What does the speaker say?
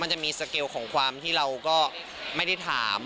มันจะมีสเกลของความที่เราก็ไม่ได้ถาม